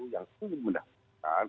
yang ingin mendapatkan